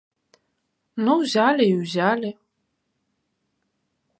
Ну ўзялі і ўзялі.